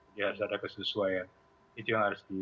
dia harus ada kesesuaian itu yang harus dipastikan